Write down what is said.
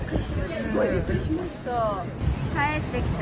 すごいびっくりしました。